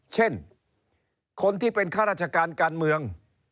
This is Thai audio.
เช่นคนที่เป็นข้าราชการการเมือง